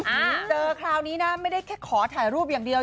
เจอคราวนี้นะไม่ได้แค่ขอถ่ายรูปอย่างเดียว